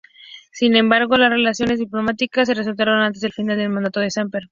Sin embargo, las relaciones diplomáticas se restauraron antes del final del mandato de Samper.